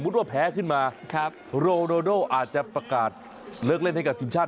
โรนาโด่อาจจะประกาศเลิกเล่นให้กับทีมชาติ